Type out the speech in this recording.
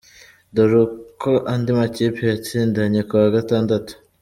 Dore uko andi makipe yatsindanye kuwa gatandatu:.